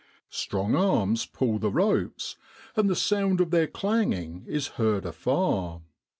Strong arms pull the ropes, and the sound of their clanging is heard afar.